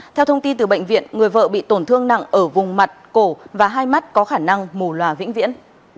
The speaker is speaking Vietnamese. theo thông tin từ bệnh viện người vợ bị tổn thương nặng ở vùng mặt cổ và hai mắt có khả năng mù lòa vĩnh viễn